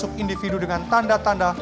masuk individu dengan tanda tanda